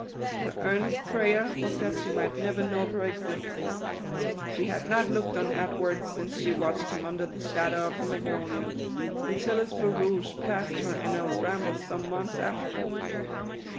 Her earnest prayer was that she might never know of her existence. She had not looked on Edward since she watched him under the shadow of the magnolia, until his barouche passed her in her rambles some months after.